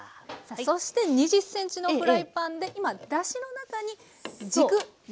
さあそして２０ｃｍのフライパンで今だしの中に軸煮ているところです。